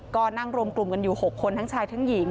ก็นั่งรวมกลุ่มกันอยู่๖คนทั้งชายทั้งหญิง